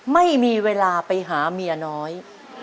ไม่มีเวลาไปหาเมียน้อย